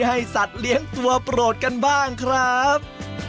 สัตว์เลี้ยงตัวโปรดกันบ้างครับ